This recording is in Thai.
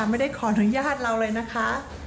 ไม่ได้ขออนุญาตเราเลยนะคะ